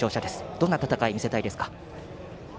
どんな戦いを見せたいですか？